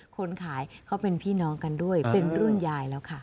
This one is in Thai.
คนขายเขาเป็นพี่น้องกันด้วยเป็นรุ่นยายแล้วค่ะ